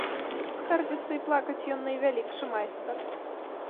Скардзіцца і плакаць ён найвялікшы майстар.